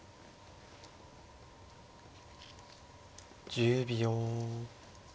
１０秒。